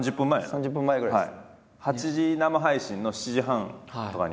３０分前ぐらいです。